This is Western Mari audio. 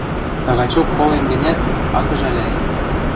— Тагачок колем гӹнят, ак ӹжӓлӓйӹ...